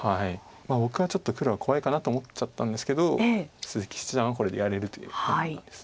僕はちょっと黒は怖いかなと思っちゃったんですけど鈴木七段はこれでやれるという判断です。